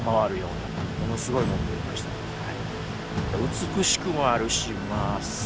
美しくもあるしまあすごい。